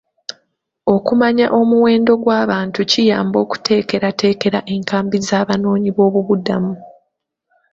Okumanya omuwendo gw'abantu kiyamba okuteekerateekera enkambi z'abanoonyiboobubudamu.